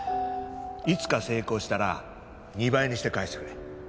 いつか成功したら２倍にして返してくれ。